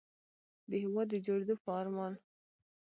د هېواد د جوړېدو په ارمان.